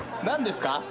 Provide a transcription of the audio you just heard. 何ですか？